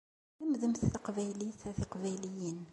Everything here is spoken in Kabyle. Lemdemt taqbaylit a tiqbayliyin!